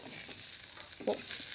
おっ。